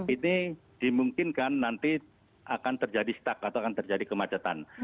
ini dimungkinkan nanti akan terjadi stuck atau akan terjadi kemacetan